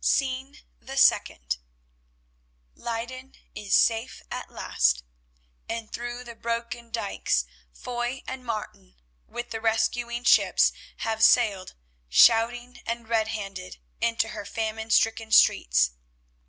Scene the Second Leyden is safe at last, and through the broken dykes Foy and Martin, with the rescuing ships, have sailed, shouting and red handed, into her famine stricken streets.